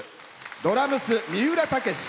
ドラムス、三浦剛志。